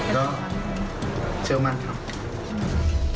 ก็เชื่อมั่นครับ